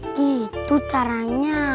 oh gitu caranya